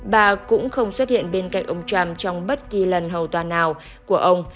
bà cũng không xuất hiện bên cạnh ông trump trong bất kỳ lần hầu tòa nào của ông